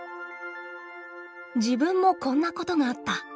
「自分もこんなことがあった！」。